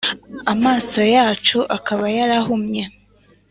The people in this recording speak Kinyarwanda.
amaso yacu akaba yarahumye,